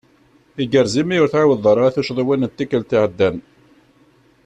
Igerrez imi ur tɛiwdeḍ ara i tucḍiwin n tikelt iɛeddan.